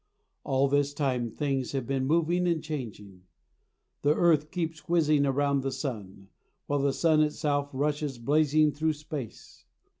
All this time things have been moving and changing. The earth keeps whizzing around the sun, while the sun itself rushes blazing through space.